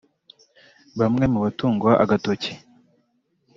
Bamwe mu batungwa agatoki